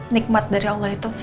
nikmat dari allah itu